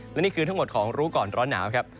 และนี่คือทั้งหมดของรู้ก่อนร้อนหนาวครับ